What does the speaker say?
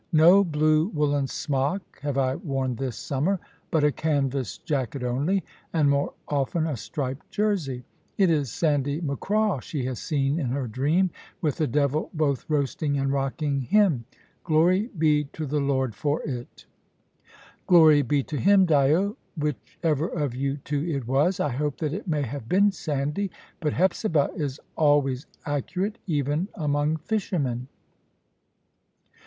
No blue woollen smock have I worn this summer, but a canvas jacket only, and more often a striped jersey. It is Sandy Macraw she has seen in her dream, with the devil both roasting and rocking him. Glory be to the Lord for it!" "Glory be to Him, Dyo, whichever of you two it was! I hope that it may have been Sandy. But Hepzibah is always accurate, even among fishermen."